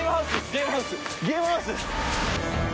ゲームハウス？